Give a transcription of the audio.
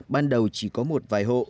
ban đầu chỉ có một vài hộ